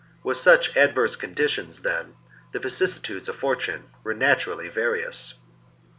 With such adverse conditions, then, the vicissitudes of fortune were naturally various.